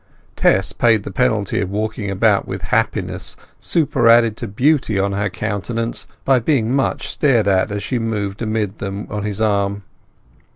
Tess paid the penalty of walking about with happiness superadded to beauty on her countenance by being much stared at as she moved amid them on his arm.